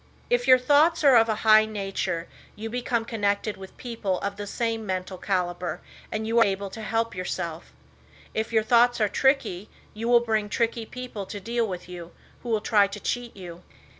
If your thoughts are of a high nature, you become connected with people of the same mental caliber and you are able to help yourself. If your thoughts are tricky, you will bring tricky people to deal with you, who will try to cheat you.